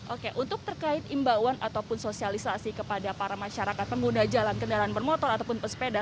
oke untuk terkait imbauan ataupun sosialisasi kepada para masyarakat pengguna jalan kendaraan bermotor ataupun pesepeda